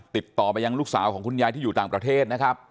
ติดต่อไปยังลูกสาวของคุณยายที่อยู่ต่างประเทศนะครับ